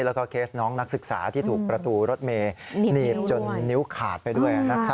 แล้วก็เคสน้องนักศึกษาที่ถูกประตูรถเมย์หนีบจนนิ้วขาดไปด้วย